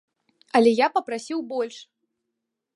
Але я папрасіў больш!